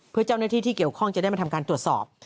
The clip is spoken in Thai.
เพื่อเจ้าหน้าที่ที่เกี่ยวข้องจะได้มาทำการตรวจสอบ